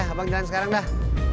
abang jalan sekarang dah